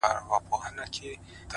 کندهار دی که کجرات دی که اعجاز دی